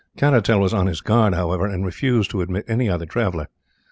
Caratal was on his guard, however, and refused to admit any other traveller.